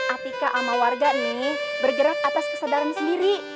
apika sama warga ini bergerak atas kesadaran sendiri